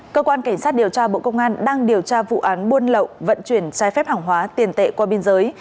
cơ quan cảnh sát điều tra bộ công an đang điều tra vụ án buôn lậu vận chuyển trái phép hàng hóa tiền tệ qua biên giới